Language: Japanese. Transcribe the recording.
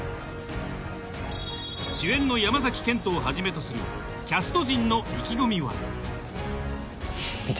主演の山賢人をはじめとするキャスト陣の意気込みは？